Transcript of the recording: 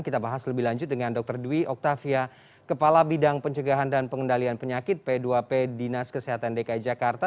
kita bahas lebih lanjut dengan dr dwi oktavia kepala bidang pencegahan dan pengendalian penyakit p dua p dinas kesehatan dki jakarta